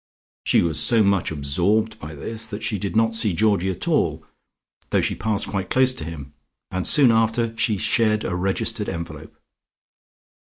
She was so much absorbed by this that she did not see Georgie at all, though she passed quite close to him, and soon after shed a registered envelope.